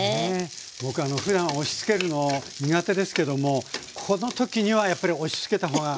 僕ふだん押しつけるの苦手ですけどもこの時にはやっぱり押しつけたほうがいいですかね？